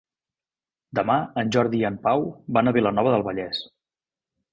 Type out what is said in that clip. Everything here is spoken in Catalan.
Demà en Jordi i en Pau van a Vilanova del Vallès.